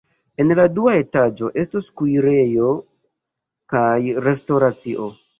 En la dua etaĝo estos kuirejo kaj restoracio.